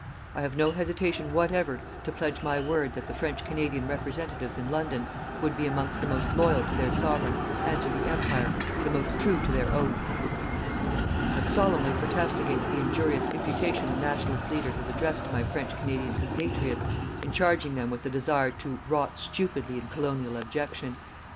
I have no hesitation whatever to pledge my word that the French Canadian representatives in London would be amongst the most loyal to their Sovereign and to the Empire, the most true to their oath. I solemnly protest against the injurious imputation the Nationalist leader has addressed to my French Canadian compatriots in charging them with the desire to rot stupidly in colonial abjection.